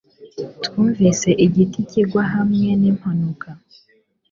Twumvise igiti kigwa hamwe nimpanuka